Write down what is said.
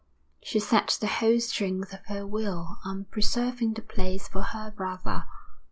She set the whole strength of her will on preserving the place for her brother.